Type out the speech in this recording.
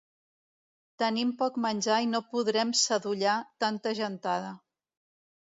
Tenim poc menjar i no podrem sadollar tanta gentada.